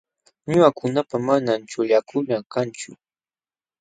Ñuqakunapa manam chuqllakuna kanchu.